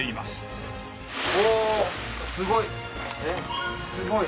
すごい！